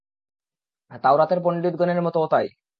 তাওরাতের পণ্ডিতগণের মতও তাই।